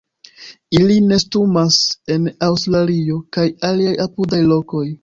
Ili nestumas en Aŭstralio, kaj aliaj apudaj lokoj.